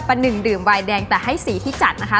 หนึ่งดื่มวายแดงแต่ให้สีที่จัดนะคะ